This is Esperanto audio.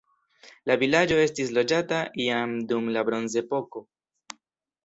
La vilaĝo estis loĝata jam dum la bronzepoko.